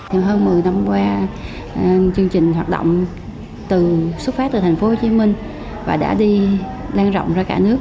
trong hơn một mươi năm qua chương trình hoạt động xuất phát từ thành phố hồ chí minh và đã đi lan rộng ra cả nước